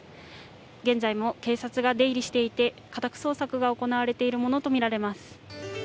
現在も警察が出入りしていて家宅捜索が行われているものとみられます。